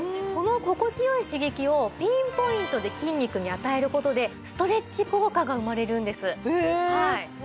この心地良い刺激をピンポイントで筋肉に与える事でストレッチ効果が生まれるんです。